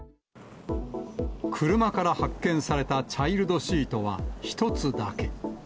車から発見されたチャイルドシートは１つだけ。